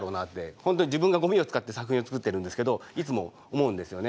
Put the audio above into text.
本当に自分がゴミを使って作品を作ってるんですけどいつも思うんですよね。